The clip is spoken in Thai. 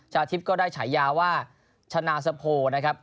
ทิพย์ก็ได้ฉายาว่าชนะสโพนะครับ